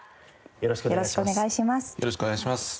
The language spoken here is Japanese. よろしくお願いします。